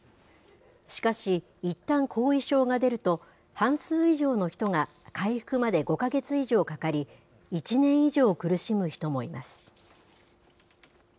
しかし、いったん後遺症が出ると、半数以上の人が回復まで５か月以上かかり、１年以上苦しむ人もいます。